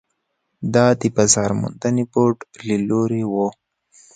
دا د بازار موندنې بورډ له لوري وو.